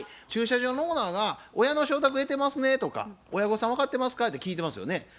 駐車場のオーナーが「親の承諾得てますね？」とか「親御さん分かってますか？」って聞いてますよね